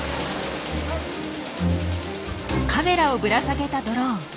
カメラをぶら下げたドローン。